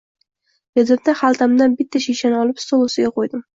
– dedim-da, xaltamdan bitta shishani olib, stol ustiga qo’ydim.